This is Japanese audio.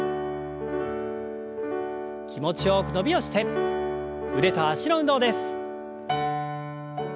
気持ちよく伸びをして腕と脚の運動です。